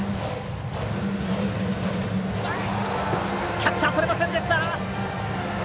キャッチャーとれませんでした。